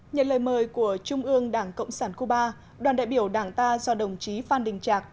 nhận lời mời của trung ương đảng cộng sản cuba đoàn đại biểu đảng ta do đồng chí phan đình trạc